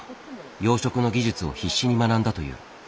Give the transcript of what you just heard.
養殖の技術を必死に学んだという。